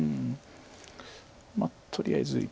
まあとりあえず１本で。